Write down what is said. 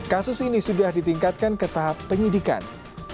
kasus ini sudah ditingkatkan ke tahap penyidikan